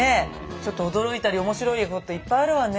ちょっと驚いたり面白いこといっぱいあるわね。